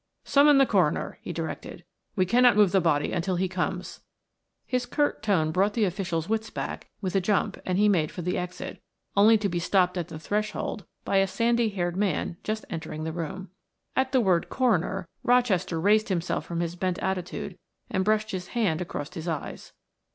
"Summon the coroner," he directed. "We cannot move the body until he comes." His curt tone brought the official's wits back with a jump and he made for the exit, only to be stopped at the threshold by a sandy haired man just entering the room. At the word coroner, Rochester raised himself from his bent attitude and brushed his hand across his eyes.